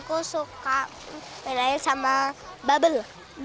aku suka main air sama bubble